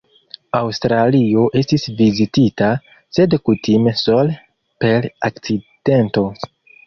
Aŭstralio estis vizitita, sed kutime sole per akcidento.